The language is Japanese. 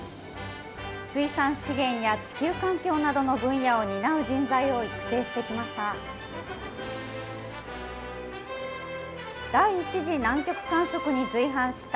水産資源や地球環境などの分野を担う人材を育成してきました。